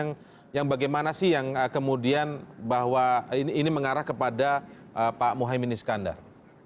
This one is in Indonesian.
kegairahan keislaman yang bagaimana sih yang kemudian bahwa ini mengarah kepada pak muhyemine iskandar